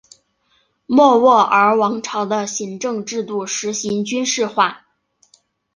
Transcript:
莫卧儿王朝的行政制度实行军事化。